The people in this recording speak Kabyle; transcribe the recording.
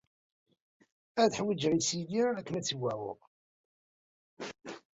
Ad ḥwijeɣ isili akken ad tt-wɛuɣ.